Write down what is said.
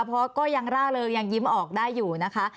เพราะก็ยังร่าเริงยังยิ้มออกได้อยู่นะคะ